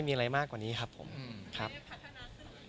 ก็มีไปคุยกับคนที่เป็นคนแต่งเพลงแนวนี้